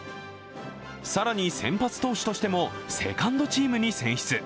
更に先発投手としてもセカンドチームに選出。